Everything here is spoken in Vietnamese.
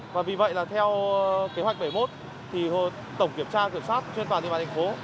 và vì vậy là theo kế hoạch bảy mươi một thì tổng kiểm tra kiểm soát trên toàn địa bàn thành phố